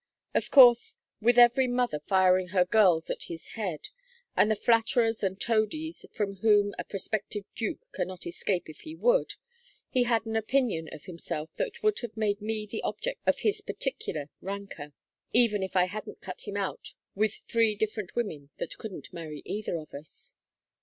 Of course, with every mother firing her girls at his head, and the flatterers and toadies from whom a prospective duke cannot escape if he would, he had an opinion of himself that would have made me the object of his particular rancor, even if I hadn't cut him out with three different women that couldn't marry either of us.